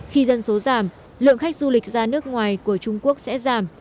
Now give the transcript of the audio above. khi dân số giảm lượng khách du lịch ra nước ngoài của trung quốc sẽ giảm